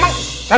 lah enggak emang